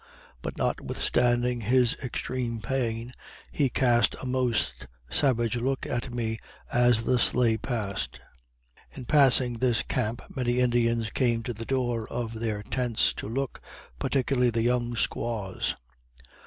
But notwithstanding his extreme pain, he cast a most savage look at me as the sleigh passed. In passing this camp many Indians came to the door of their tents to look, particularly the young squaws.